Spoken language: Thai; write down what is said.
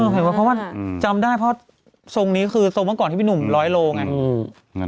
เห็นมั้ยเพราะว่าจำได้เพราะทรงนี้คือโทรมาก่อนที่เป็นหนุ่ม๑๐๐โลไง